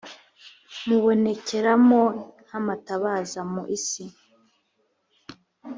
mubonekeramo nk amatabaza mu isi